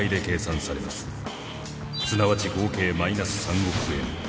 すなわち合計マイナス３億円。